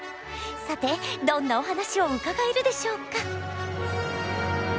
さてどんなお話を伺えるでしょうか。